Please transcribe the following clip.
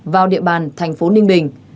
vào địa bàn thành phố ninh bình